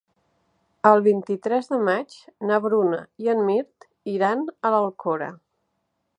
El vint-i-tres de maig na Bruna i en Mirt iran a l'Alcora.